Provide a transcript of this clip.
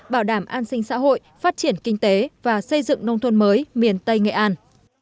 bảo đảm an sinh xã hội phát triển kinh tế và xây dựng nông thôn mới miền tây nghệ an